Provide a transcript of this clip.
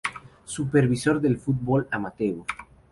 Supervisor del fútbol amateur.